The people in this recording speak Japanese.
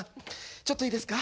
ちょっといいですか？